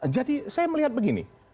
jadi saya melihat begini